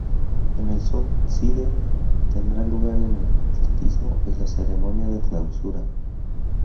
En el South Side tendrá lugar el Atletismo y la ceremonia de clausura.